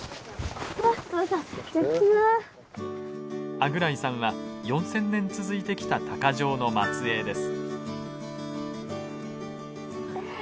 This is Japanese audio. アグライさんは４，０００年続いてきた鷹匠の末裔です。